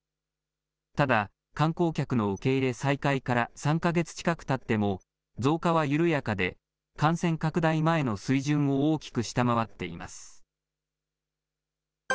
ただ、観光客の受け入れ再開から３か月近くたっても増加は緩やかで、感染拡大前の水準を大きく下回っています。